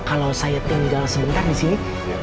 kalau saya tinggal sebentar disini